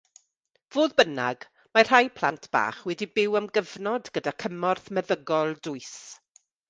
Fodd bynnag mae rhai plant bach wedi byw am gyfnod gyda cymorth meddygol dwys.